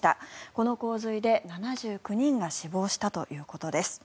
この洪水で７９人が死亡したということです。